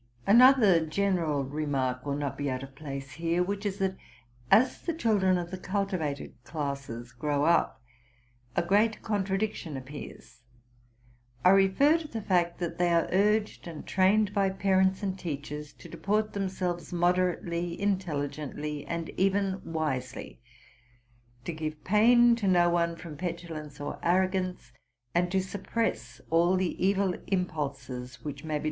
Another general remark will not be out of place here, which is, that, as the children of the cultivated classes grow up, & great contradiction appears. I refer to the fact, that they are urged and trained by parents and teachers to de port themselves moderately, intelligently, and even wisely ; to give pain to no one from petulance or arrogance ; and to suppress all the evil impulses which may be.